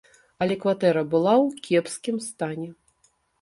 Але кватэра была ў кепскім стане.